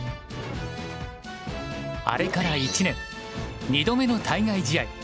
あれから１年２度目の対外試合。